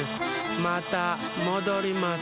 またもどります。